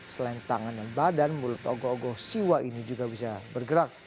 selain tangan dan badan mulut ogo ogo siwa ini juga bisa bergerak